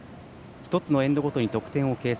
１つのエンドごとに得点を計算。